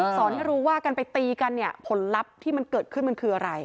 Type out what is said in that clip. สอนให้รู้ว่ากันไปตีกันเนี่ยผลลัพธ์ที่มันเกิดขึ้นมันคืออะไร